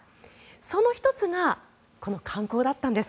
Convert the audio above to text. その１つがこの観光だったんです。